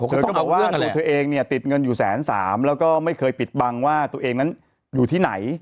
เธอก็บอกว่าตัวเธอเองเนี่ยติดเงินอยู่แสนสามแล้วก็ไม่เคยปิดบังว่าตัวเองนั้นอยู่ที่ไหน